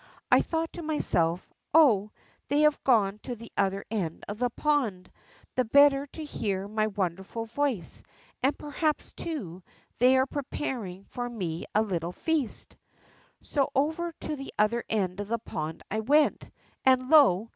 I thought to myself, ^ Oho, they haAm gone to the other end of the pond, the BOOM A EOOM^S RIDE 25 better to hear my wonderful voice, and, perhaps, too, they are preparing for me a little feastd So over to the other end of the pond I went, and, lo